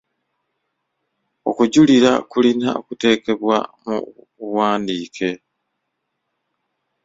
Okujulira kulina okuteekebwa mu buwandiike.